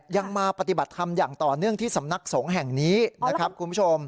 ยังมาปฏิบัติธรรมอย่างต่อเนื่องที่สำนักสงฆ์แห่งนี้นะครับคุณผู้ชม